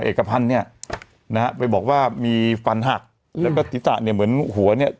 เอกพันธ์เนี่ยนะฮะไปบอกว่ามีฟันหักแล้วก็ศีรษะเนี่ยเหมือนหัวเนี่ย